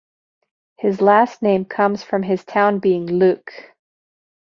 His last name comes from his town being Luque.